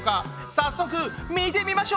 早速見てみましょう！